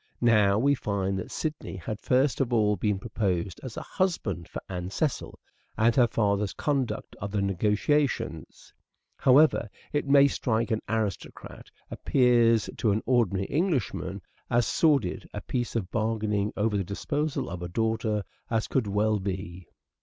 Now we find that Sidney had first of all been proposed as a husband for Anne Cecil, and her father's conduct of the negotiations, however it may strike an aristocrat, appears to an ordinary Englishman as sordid a piece of bargaining over the disposal of a daughter as could well be.